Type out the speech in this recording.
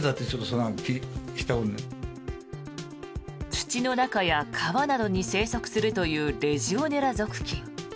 土の中や川などに生息するというレジオネラ属菌。